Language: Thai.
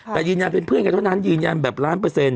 แต่ยืนยันเป็นเพื่อนกันเท่านั้นยืนยันแบบล้านเปอร์เซ็นต